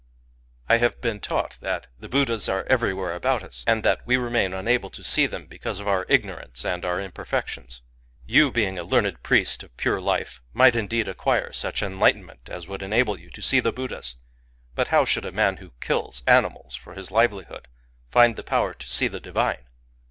I have been taught that the Buddhas are everywhere about us, and that we remain unable to see them because of our igno rance and our imperfections. You — being a learned priest of pure life — might indeed acquire such enlightenment as would enable you to see the Buddhas ; but how should a man who kills animals for his livelihood find the power to see the divine?